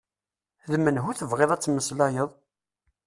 D menhu tebɣiḍ ad tmeslayeḍ?